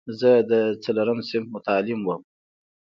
زه د څلورم صنف متعلم وم.